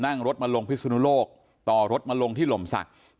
นั่งรถมาลงพิศนุโลกต่อรถมาลงที่หล่มศักดิ์